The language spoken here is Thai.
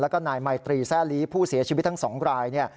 แล้วก็นายไมตรีแซ่ลีผู้เสียชีวิตทั้ง๒ราย